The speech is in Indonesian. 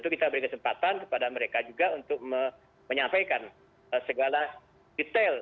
kita beri kesempatan kepada mereka juga untuk menyampaikan segala detail